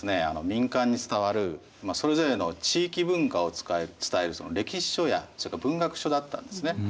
民間に伝わるそれぞれの地域文化を伝える歴史書や文学書だったんですね。